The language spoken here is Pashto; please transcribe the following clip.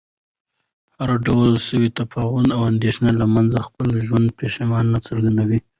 د هر ډول سوء تفاهم او اندېښنې له امله خپله ژوره پښیماني څرګندوم.